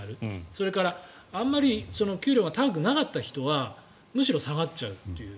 それからあまり給料が高くなかった人はむしろ下がっちゃうという。